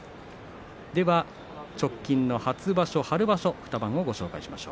直近の初場所、春場所２番をご紹介します。